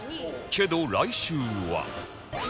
けど来週は